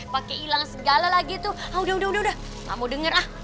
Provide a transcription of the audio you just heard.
pakai hilang segala lagi tuh ah udah udah udah gak mau denger ah